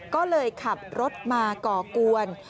ก็เลยขับรถมาก่อกวน